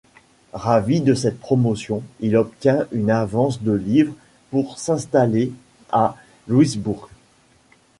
Ravi de cette promotion, il obtient une avance de livres pour s'installer à Louisbourg.